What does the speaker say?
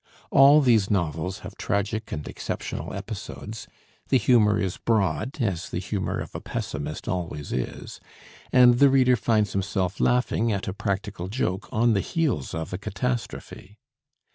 All these novels have tragic and exceptional episodes, the humor is broad, as the humor of a pessimist always is, and the reader finds himself laughing at a practical joke on the heels of a catastrophe.